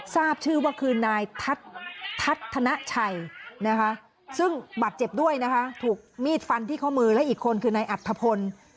ทราบชื่อว่าคือนายทัศนชัยนะคะซึ่งบาดเจ็บด้วยนะคะถูกมีดฟันที่ข้อมือและอีกคนคือนายอัธพล